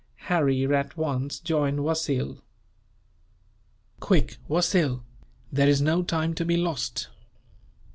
Harry at once joined Wasil. "Quick, Wasil! There is no time to be lost.